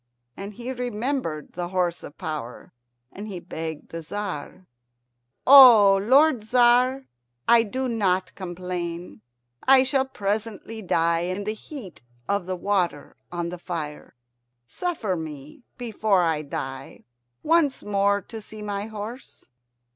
And he remembered the horse of power, and he begged the Tzar, "O lord Tzar, I do not complain. I shall presently die in the heat of the water on the fire. Suffer me, before I die, once more to see my horse."